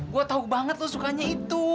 gue tahu banget lo sukanya itu